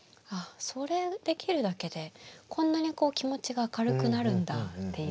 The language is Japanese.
できるだけでこんなにこう気持ちが明るくなるんだっていう。